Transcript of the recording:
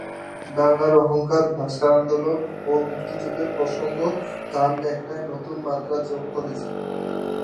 বাঙালির অহংকার ভাষা আন্দোলন ও মুক্তিযুদ্ধের প্রসঙ্গ তার লেখায় নতুন মাত্রা যোগ করেছে।